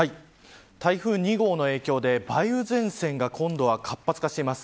台風２号の影響で梅雨前線が今度は活発化しています。